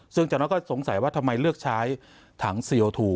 ซึ่งจากนั้นก็สงสัยว่าทำไมเลือกใช้ถังเซียลทู